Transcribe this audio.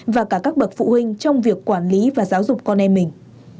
và cả các bậc phụ huynh trong việc quản lý và giáo dục con em mình